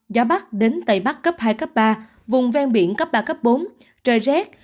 gió bắc đến tây bắc cấp hai ba vùng ven biển cấp ba bốn trời rét